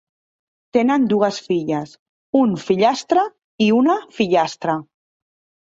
Tenen dues filles, un fillastre i una fillastra.